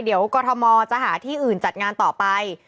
เดี๋ยวกรทมจะหาที่อื่นจัดงานต่อไป